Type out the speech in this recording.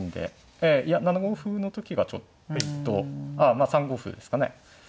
ええいや７五歩の時がちょっとああまあ３五歩ですかね。